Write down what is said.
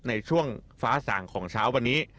ในช่วงฟ้าสางของเช้าวันนี้